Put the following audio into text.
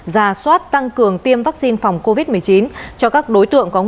ra soát tăng cường tiêm vaccine phòng covid một mươi chín cho các đối tượng có